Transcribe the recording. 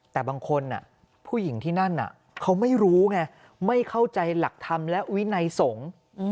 แต่บางคนผู้หญิงที่นั่นเขาไม่รู้ไงไม่เข้าใจหลักธรรมและวินัยสงฆ์